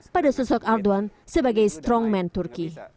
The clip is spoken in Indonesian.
pada sosok aldoan sebagai strongman turki